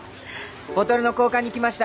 ボトルの交換に来ました！